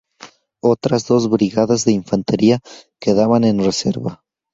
Otras dos brigadas de infantería quedaban en reserva.